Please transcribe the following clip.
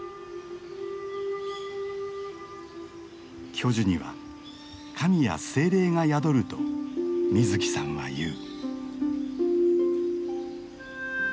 巨樹には神や精霊が宿ると水木さんは言う。